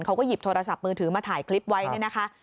เขาก็หยิบโทรศัพท์มือถือมาถ่ายคลิปไว้เนี่ยนะคะ